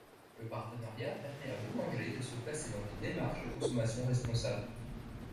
Le partenariat permet à Boulanger de se placer dans une démarche de consommation responsable.